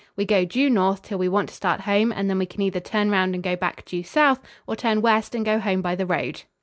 We go due north till we want to start home and then we can either turn around and go back due south or turn west and go home by the road."